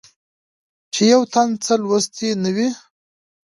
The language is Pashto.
چې يو تن څۀ لوستي نۀ وي